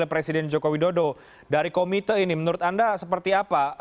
presiden joko widodo dari komite ini menurut anda seperti apa